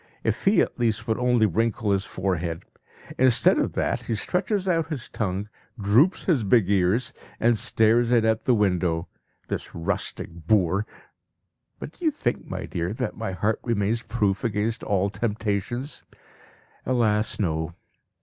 If he at least would only wrinkle his forehead! Instead of that, he stretches out his tongue, droops his big ears, and stares in at the window this rustic boor! But do you think, my dear, that my heart remains proof against all temptations? Alas no!